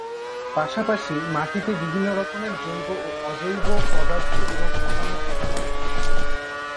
পাশাপাশি, মাটিতে বিভিন্ন রকমের জৈব ও অজৈব পদার্থ এবং অন্যান্য উপাদান থাকে।